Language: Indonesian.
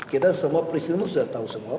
kita semua presiden pun sudah tahu semua